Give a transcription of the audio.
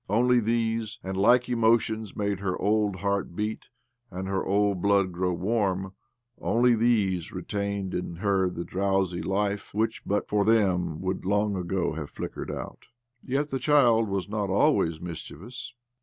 Only these and like eniotions made her old heart beat and her old blood grow warm ; only these retained in her the drowsy life which, but for them, would long ago have flickered out. Yet the child was not always mischievous.